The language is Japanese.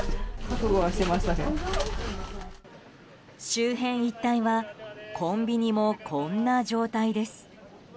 周辺一帯はコンビニもこんな状態です。